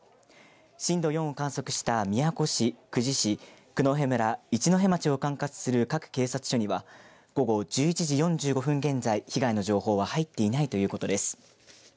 震度４を観測した宮古市、久慈市九戸村、一戸町を管轄する各警察署には午後１１時４５分現在被害の情報は入っていないということです。